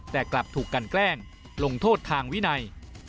แต่กลับถูกกันแกล้งลงโทษทางวินัย